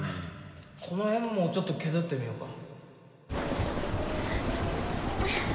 この辺もちょっと削ってみよか。